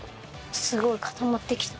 すごい固まってきた。